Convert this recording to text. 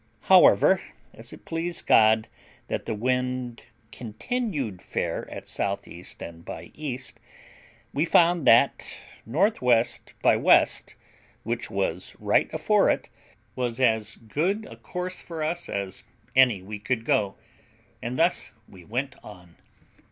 However, as it pleased God that the wind continued fair at S.E. and by E., we found that N.W. by W., which was right afore it, was as good a course for us as any we could go, and thus we went on.